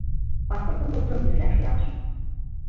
Паспортым луктын, ӱдырлан шуялтышым.